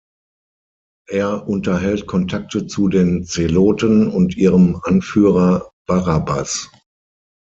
Er unterhält Kontakte zu den Zeloten und ihrem Anführer Barabbas.